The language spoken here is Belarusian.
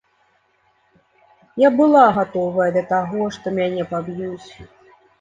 Я была гатовая да таго, што мяне паб'юць.